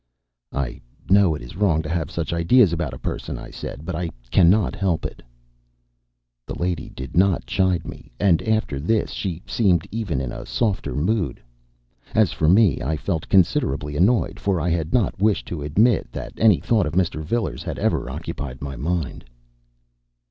"I know it is wrong to have such ideas about a person," I said, "but I cannot help it." The lady did not chide me, and after this she seemed even in a softer mood. As for me, I felt considerably annoyed, for I had not wished to admit that any thought of Mr. Vilars had ever occupied my mind.